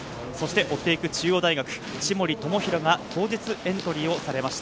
そして追って行く中央大学・千守倫央が当日エントリーされました。